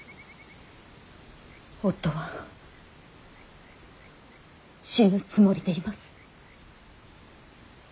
夫は死ぬつもりでいます。